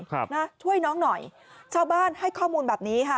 ครับนะช่วยน้องหน่อยชาวบ้านให้ข้อมูลแบบนี้ค่ะ